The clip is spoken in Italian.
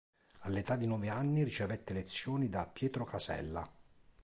All'età di nove anni ricevette lezioni da Pietro Casella.